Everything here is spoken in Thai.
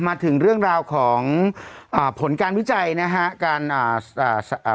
มาถึงเรื่องราวของผลการวิจัยนะครับ